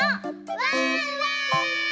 ワンワーン！